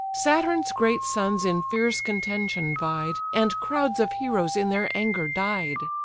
Saturn's great sons in fierce contention vied, And crowds of heroes in their anger died.